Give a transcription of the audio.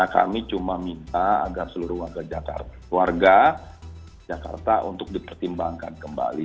kami cuma minta agar seluruh warga jakarta untuk dipertimbangkan kembali